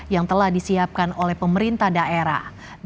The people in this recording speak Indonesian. yang telah disiapkan oleh pemerintah daerah